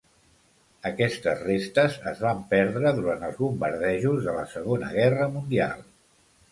Aquestes restes es van perdre durant els bombardejos de la Segona Guerra Mundial.